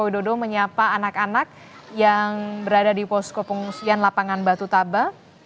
widodo menyapa anak anak yang berada di posko pengungsian lapangan batu taba